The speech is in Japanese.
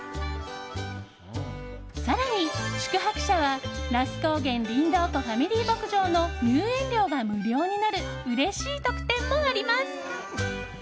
更に、宿泊者は那須高原りんどう湖ファミリー牧場の入園料が無料になるうれしい特典もあります。